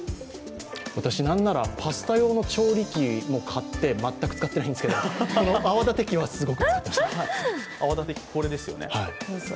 私、なんならパスタ用の調理器も買って全く使ってないんですけど泡立て器はすごく使っています。